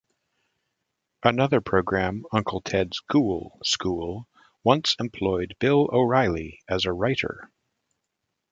Another program, "Uncle Ted's Ghoul School", once employed Bill O'Reilly as a writer.